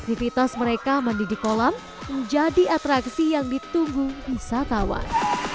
aktivitas mereka mandi di kolam menjadi atraksi yang ditunggu wisatawan